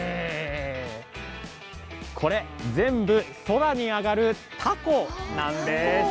これ全部空に揚がるたこなんです。